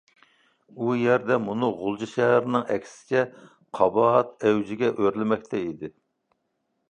ئۇ يەردە مۇنۇ غۇلجا شەھىرىنىڭ ئەكسىچە قاباھەت ئەۋجىگە ئۆرلىمەكتە ئىدى.